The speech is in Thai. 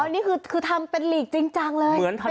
อ๋อนี่คือทำเป็นหลีกจริงจังเลยเป็นเรสเลย